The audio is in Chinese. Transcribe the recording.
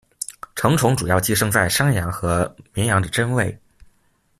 成虫主要寄生在山羊和绵羊的真胃。